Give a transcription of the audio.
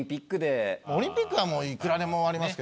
オリンピックはもういくらでもありますけどね。